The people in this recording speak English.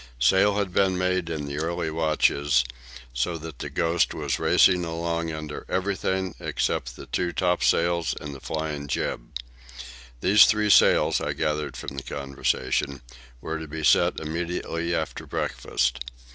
Sail had been made in the early watches, so that the Ghost was racing along under everything except the two topsails and the flying jib. These three sails, I gathered from the conversation, were to be set immediately after breakfast.